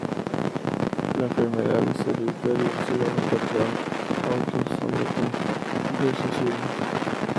La enfermedad es hereditaria según un patrón autosómico recesivo.